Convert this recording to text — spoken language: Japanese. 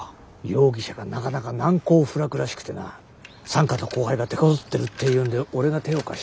容疑者がなかなか難攻不落らしくてな三課の後輩がてこずってるっていうんで俺が手を貸してやるってわけだ。